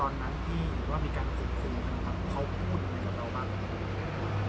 แล้วตอนนั้นที่หรือว่ามีการกลุ่มคุยกันครับเขาพูดอะไรกับเราบ้าง